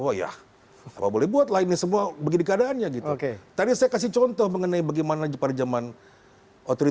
kami akan segera kembali